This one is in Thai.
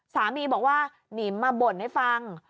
สามีบอกว่านิมมาบ่นให้ฟัง